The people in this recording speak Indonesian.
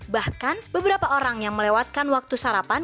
bahkan beberapa orang yang melewatkan waktu sarapan